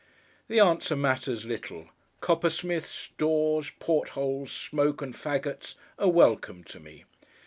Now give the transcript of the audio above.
The answer matters little. Coppersmiths, doors, portholes, smoke, and faggots, are welcome to me.